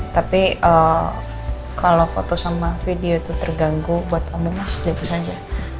tapi kalau foto sama video itu terganggu buat kamu mas jangan terus aja